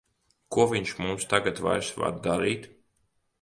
Ko viņš mums tagad vairs var darīt!